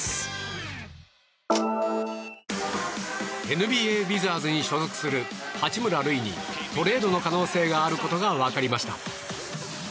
ＮＢＡ、ウィザーズに所属する八村塁にトレードの可能性があることが分かりました。